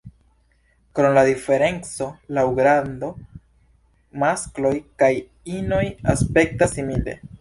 Krom la diferenco laŭ grando, maskloj kaj inoj aspektas simile.